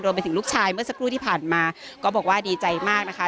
ไปถึงลูกชายเมื่อสักครู่ที่ผ่านมาก็บอกว่าดีใจมากนะคะ